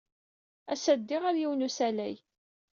Ass-a, ddiɣ ɣer yiwen n usalay.